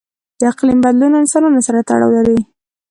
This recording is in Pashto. د اقلیم بدلون له انسانانو سره تړاو لري.